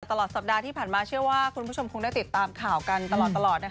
ตลอดสัปดาห์ที่ผ่านมาเชื่อว่าคุณผู้ชมคงได้ติดตามข่าวกันตลอด